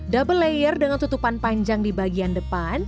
double layer dengan tutupan panjang di bagian depan